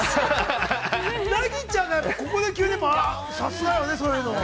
◆ナギちゃんが、ここで急にさすがよね、そういうのも。